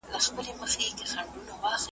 له ماضي څخه باید عبرت واخیستل سي.